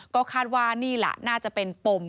ก็คาดว่านี่แหละน่าจะเป็นปม